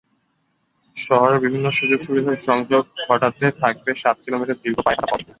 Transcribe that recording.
শহরের বিভিন্ন সুযোগ-সুবিধার সংযোগ ঘটাতে থাকবে সাত কিলোমিটার দীর্ঘ পায়ে হাঁটা পথ।